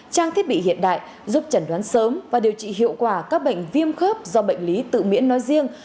trang thiết bị hiện đại giúp trần đoán sớm và điều trị hiệu quả các bệnh viêm khớp do bệnh lý tự miễn nói riêng